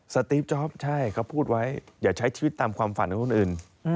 ตีฟจ๊อปใช่เขาพูดไว้อย่าใช้ชีวิตตามความฝันของคนอื่น